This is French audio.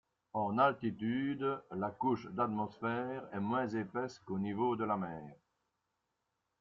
En altitude, la couche d'atmosphère est moins épaisse qu'au niveau de la mer.